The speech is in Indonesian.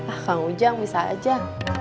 ah kang ujang bisa aja